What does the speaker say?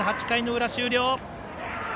８回の裏、終了。